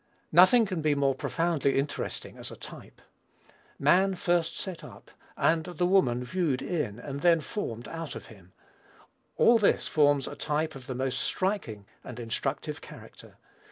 Nothing can be more profoundly interesting as a type. Man first set up, and the woman viewed in, and then formed out of him, all this forms a type of the most striking and instructive character.